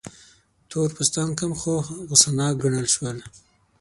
تور پوستان کم هوښ، غوسه ناک ګڼل شول.